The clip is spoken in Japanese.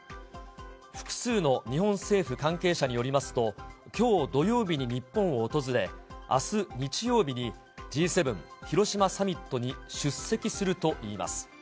複数の日本政府関係者によりますと、きょう土曜日に日本を訪れ、あす日曜日にＧ７広島サミットに出席するといいます。